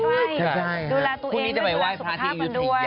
ใช่ดูแลตัวเองดูแลสุขภาพมันด้วย